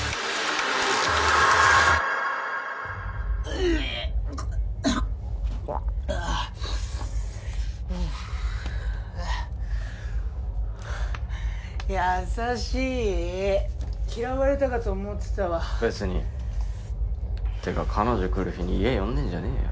ウエッあぁえっ優しい嫌われたかと思ってたわ別にってか彼女来る日に家呼んでんじゃねぇよ